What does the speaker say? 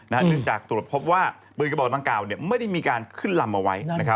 เนื่องจากตรวจพบว่าปืนกระบอกดังกล่าวไม่ได้มีการขึ้นลำเอาไว้